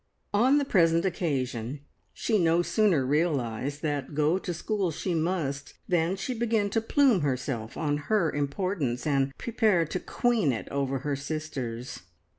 On the present occasion she no sooner realised that go to school she must, than she began to plume herself on her importance, and prepare to queen it over her sisters.